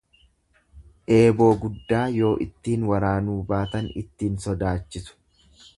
Eeboo guddaa yoo ittiin waraanuu baatan ittiin sodaachisu.